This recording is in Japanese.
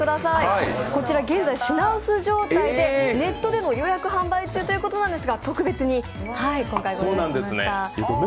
現在品薄状態で、ネットでの予約販売中ということで特別に今回ご用意しました。